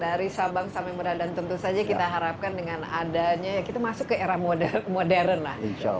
dari sabang sampai meradan tentu saja kita harapkan dengan adanya ya kita masuk ke era modern lah